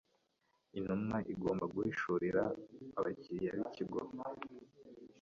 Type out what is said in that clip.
Intumwa igomba guhishurira abakiriya b Ikigo